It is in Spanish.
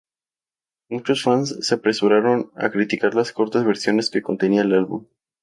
Muchos fans se apresuraron a criticar las cortas versiones que contenía el álbum.